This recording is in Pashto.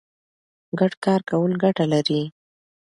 ګډ کار کول ګټه لري.